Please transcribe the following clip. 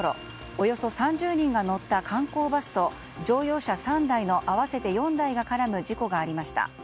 およそ３０人が乗った観光バスと乗用車３台の合わせて４台が絡む事故がありました。